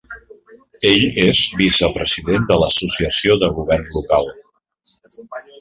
Ell és vicepresident de l'Associació de Govern Local.